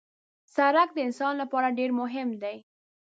سړک د انسان لپاره ډېر مهم دی.